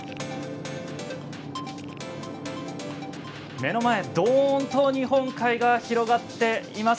目の前にどんと日本海が広がっています。